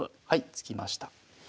はい突きました。